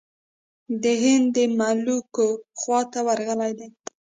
د هند د ملوکو خواته ورغلی دی.